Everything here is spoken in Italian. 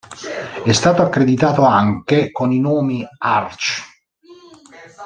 È stato accreditato anche con i nomi Arch.